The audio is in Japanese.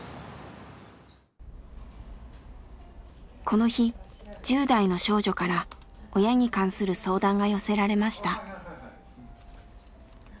この日１０代の少女から親に関する相談が寄せられました。